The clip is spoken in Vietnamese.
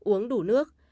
uống đủ nước